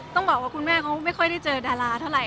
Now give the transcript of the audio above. ต้องบอกคุณแม่คงไม่ได้เจอดาลาเท่าไหร่